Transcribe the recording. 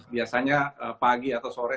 biasanya pagi atau sore